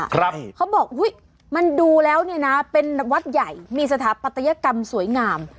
เขาบอกอุ้ยมันดูแล้วเนี่ยนะเป็นวัดใหญ่มีสถาปัตยกรรมสวยงาม